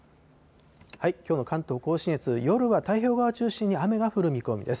きょうの関東甲信越、夜は太平洋側を中心に雨が降る見込みです。